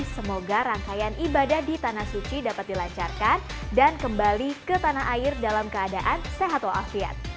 semoga rangkaian ibadah di tanah suci dapat dilancarkan dan kembali ke tanah air dalam keadaan sehat wafiat